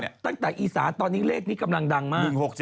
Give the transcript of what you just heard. แต่ว่าตั้งแต่อีศาตร์ตอนนี้เลขนี้กำลังดังมาก